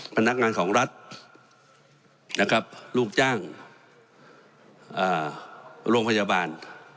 พนักงานของรัฐนะครับลูกจ้างโรงพยาบาล